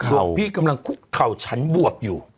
หลวงพี่กำลังคุกเข่าฉันบวบอยู่